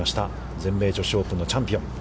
全米女子オープンのチャンピオン。